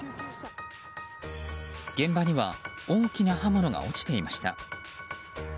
現場には大きな刃物が落ちていました。